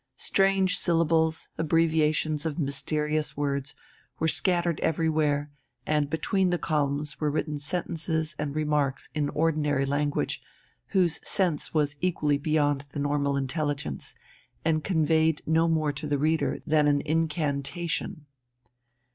Strange syllables, abbreviations of mysterious words, were scattered everywhere, and between the columns were written sentences and remarks in ordinary language, whose sense was equally beyond the normal intelligence, and conveyed no more to the reader than an incantation.